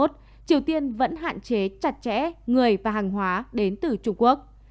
triều tiên vẫn hạn chế chặt chẽ người và hàng hóa đến từ trung quốc